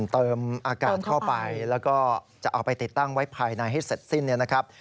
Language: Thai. เติมอากาศเข้าไปแล้วก็จะเอาไปติดตั้งไว้ภายในให้เสร็จสิ้นเนี่ยนะครับ